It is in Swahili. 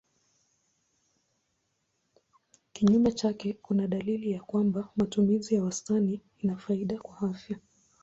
Kinyume chake kuna dalili ya kwamba matumizi ya wastani ina faida kwa afya.